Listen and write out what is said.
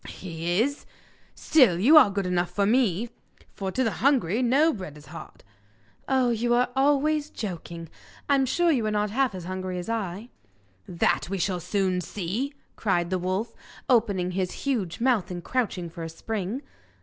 'He is. Still, you are good enough for me; for "to the hungry no bread is hard."' 'Oh, you are always joking! I'm sure you are not half as hungry as I!' 'That we shall soon see,' cried the wolf, opening his huge mouth and crouching for a spring.